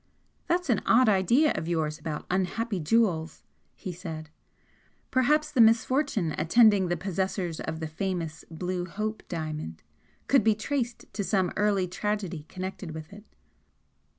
"That's an odd idea of yours about unhappy jewels," he said "Perhaps the misfortune attending the possessors of the famous blue Hope diamond could be traced to some early tragedy connected with it."